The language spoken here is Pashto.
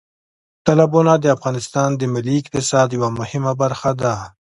تالابونه د افغانستان د ملي اقتصاد یوه مهمه برخه ده.